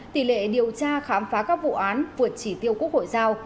tỷ lệ điều tra khám phá các vụ án vượt chỉ tiêu quốc hội giao